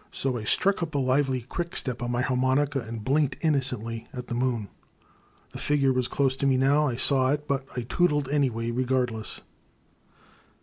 '' So I struck up a lively quickstep on my har monica, and blinked innocently at the moon. The figure was close to me now, I saw it, but I tootled away, regardless.